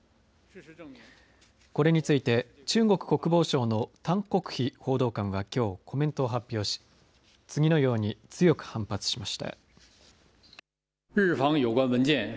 これについて、中国国防省の譚克非報道官はきょうコメントを発表し次のように強く反発しました。